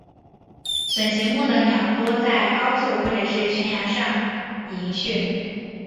隼形目的鸟多在高树或悬崖上营巢。